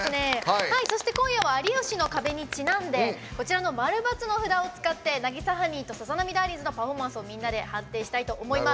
今夜は「有吉の壁」にちなんでこちらの○×の札を使って渚ハニーとサザナミダーリン’ｓのパフォーマンスをみんなで判定したいと思います。